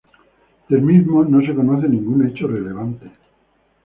Del mismo no se conoce ningún hecho relevante.